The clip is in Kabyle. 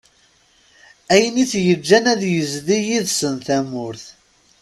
Ayen i t-yeğğan ad yezdi yid-sen tamurt.